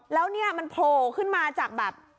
แล้วเนี่ยมันโผล่ขึ้นมาจากแบบ